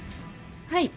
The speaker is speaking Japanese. はい。